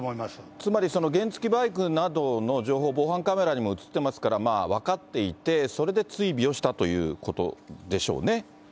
つまり、原付きバイクなどの情報、防犯カメラにも映ってますから、分かっていて、それで追尾をしたということでしょうね。